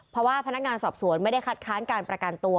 เพราะว่าพนักงานสอบสวนไม่ได้คัดค้านการประกันตัว